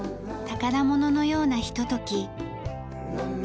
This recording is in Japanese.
宝物のようなひととき。